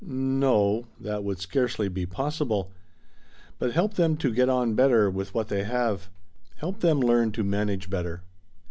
"N o; that would scarcely be possible. But help them to get on better with what they have. Help them learn to manage better."